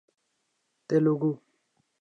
Telugu